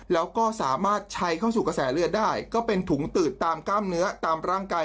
แล้วก็สามารถใช้เข้าสู่กระแสเลือดได้ก็เป็นถุงตืดตามกล้ามเนื้อตามร่างกาย